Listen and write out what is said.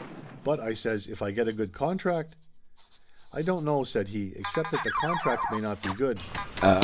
"But," I says, "if I get a good contract?" "I don't know," said he, "except that the contract may not be good.